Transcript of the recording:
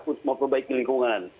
untuk memperbaiki lingkungan